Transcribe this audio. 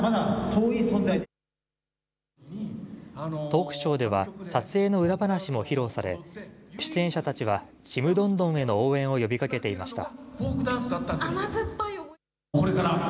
トークショーでは、撮影の裏話も披露され、出演者たちはちむどんどんへの応援を呼びかけていました。